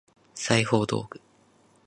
裁縫道具